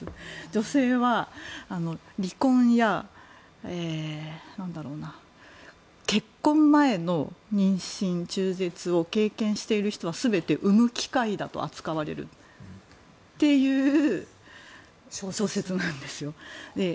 女性は離婚や結婚前の妊娠、中絶を経験している人は全て生む機械だと扱われるという小説なんですよ。